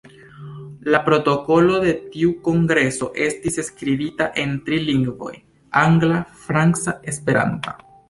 La protokolo de tiu kongreso estis skribita en tri lingvoj: angla, franca, esperanta.